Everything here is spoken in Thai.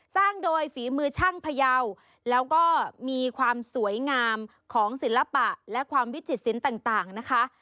สร้างโดยฝีมือช่างพยาวแล้วก็มีความสวยงามของศิลปะและความวิจิตศิลป์ต่างนะคะ